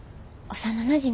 幼なじみ。